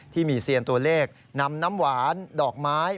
ที่มีเซียนตัวเลขนำน้ำหวานดอกไม้